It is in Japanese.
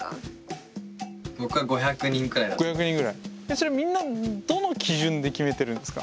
それはみんなどの基準で決めてるんですか？